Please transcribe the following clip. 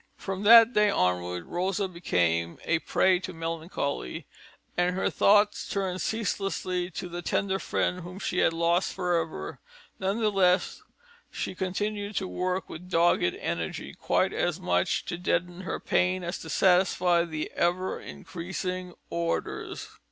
From that day onward, Rosa Bonheur became a prey to melancholy, and her thoughts turned ceaselessly to the tender friend whom she had lost forever. None the less, she continued to work with dogged energy, quite as much to deaden her pain as to satisfy the ever increasing orders.